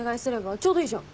ちょうどいいじゃん。